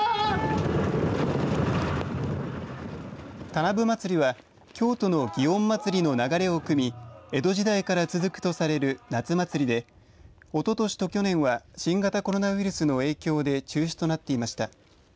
田名部まつりは京都の祇園祭の流れをくみ江戸時代から続くとされる夏祭りでおととしと去年は新型コロナウイルスの影響で中止となっていました。